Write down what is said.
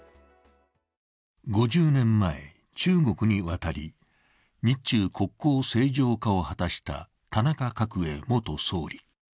５０年前、中国に渡り日中国交正常化を果たした田中角栄元総理。